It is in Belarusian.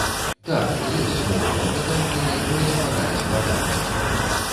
Так, ёсць моўнае пытанне, якое стварае складанасці.